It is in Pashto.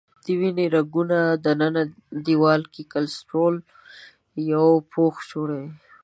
د وینې رګونو دننه دیوال کې کلسترول یو پوښ جوړوي.